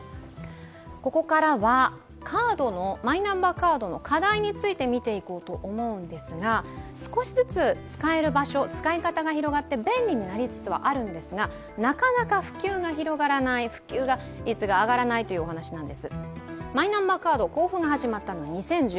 ここからはマイナンバーカードの課題について見ていこうと思いますが、少しずつ使える場所、使い方が広がって便利になりつつあるんですが、なかなか普及が広がらない、普及率が上がらないという話なんです。